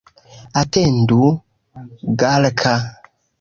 Atendu, Galka!